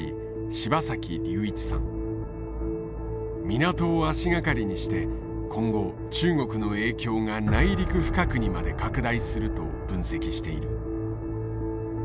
港を足掛かりにして今後中国の影響が内陸深くにまで拡大すると分析している。